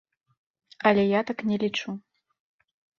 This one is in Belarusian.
Але я так не лічу.